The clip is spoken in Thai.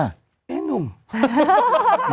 แม่หนุ่ม